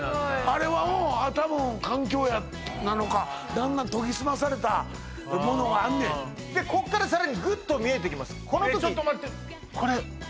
あれはうん多分環境なのかだんだん研ぎ澄まされたものがあんねんでこっからさらにグッと見えてきます